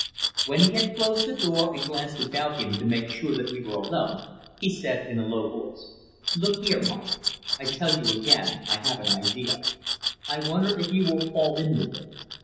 When he had closed the door, and glanced about him to make sure that we were alone, he said in a low voice: "Look here, Mike, I tell you again, I have an idea: I wonder if you will fall in with it.